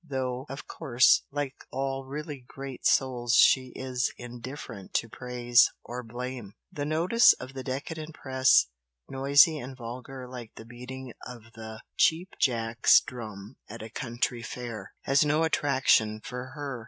Though, of course, like all really great souls she is indifferent to praise or blame the notice of the decadent press, noisy and vulgar like the beating of the cheap jack's drum at a country fair, has no attraction for her.